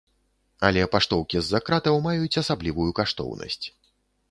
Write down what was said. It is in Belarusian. Але паштоўкі з-за кратаў маюць асаблівую каштоўнасць.